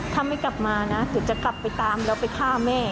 ถ้าไม่กลับมานะเดี๋ยวจะกลับไปตามแล้วไปฆ่าแม่